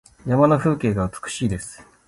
山の風景が美しいです。